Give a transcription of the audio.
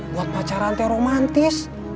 buat pacaran teromantis